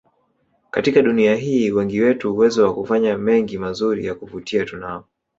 Katika dunia hii wengi wetu uwezo wa kufanya mengi mazuri ya kuvutia tunao